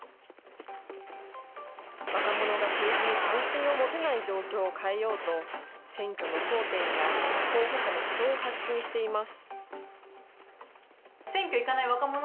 若者が政治に関心を持てない状況を変えようと、選挙の争点や候補者の主張を発信しています。